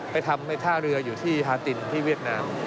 ไปทำในท่าเรืออยู่ที่ฮาตินที่เวียดนาม